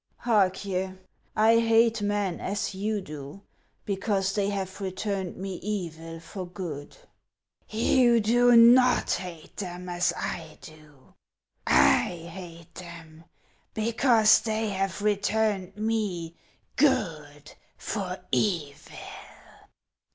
" Hark ye, I hate men, as you do, because they have returned me evil for good." " You do not hate them as I do ; I hate them because they have returned me good for evil."